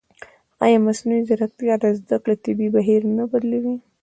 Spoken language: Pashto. ایا مصنوعي ځیرکتیا د زده کړې طبیعي بهیر نه بدلوي؟